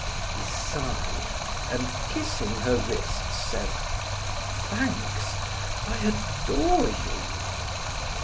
He sighed, and kissing her wrists said: "Thanks; I adore you."